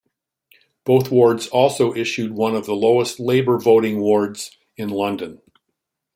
Both wards also issued one of the lowest Labour voting wards in London.